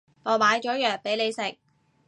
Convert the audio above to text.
我買咗藥畀你食